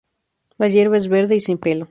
La hierba es verde y sin pelo.